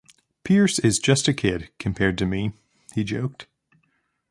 "Pierce is just a kid compared to me", he joked.